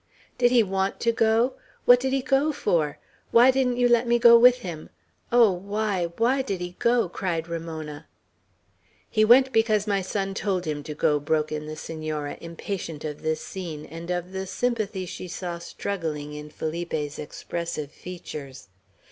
"Did he want to go? What did he go for? Why didn't you let me go with him? Oh, why, why did he go?" cried Ramona. "He went because my son told him to go," broke in the Senora, impatient of this scene, and of the sympathy she saw struggling in Felipe's expressive features.